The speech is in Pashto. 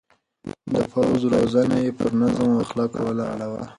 د پوځ روزنه يې پر نظم او اخلاقو ولاړه وه.